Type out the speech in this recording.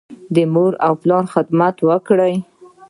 د مور او پلار خدمت وکړئ.